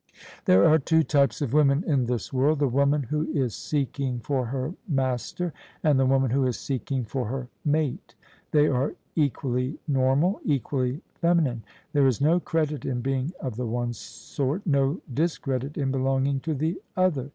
There are two types of women in this world : the woman who is seeking for her master, and the woman who is seek ing for her mate. They are equally normal — equally femi nine: there is no credit in being of the one sort — ^no discredit in belonging to the other.